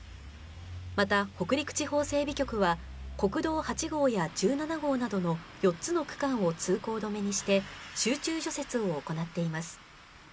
また、北陸地方整備局は、国道８号や１７号などの４つの区間を通行止めにして、集中除雪を行っています。